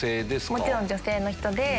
もちろん女性の人で。